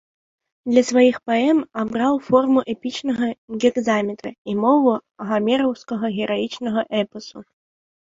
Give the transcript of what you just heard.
Для сваіх паэм абраў форму эпічнага гекзаметра і мову гамераўскага гераічнага эпасу.